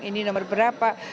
ini nomor berapa